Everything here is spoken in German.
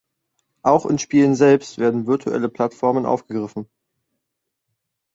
Auch in Spielen selbst werden virtuelle Plattformen aufgegriffen.